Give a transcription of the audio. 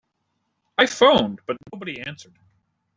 I phoned but nobody answered.